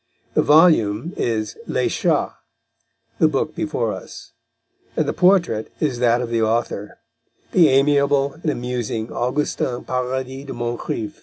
The volume is Les Chats, the book before us, and the portrait is that of the author, the amiable and amusing Augustin Paradis de Moncrif.